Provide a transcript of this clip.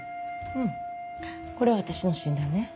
うんこれは私の診断ね。